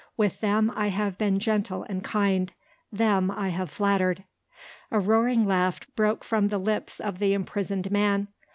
With them I have been gentle and kind; them I have flattered." A roaring laugh broke from the lips of the imprisoned man.